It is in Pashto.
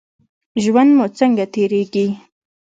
ژوند مو څنګه تیریږي؟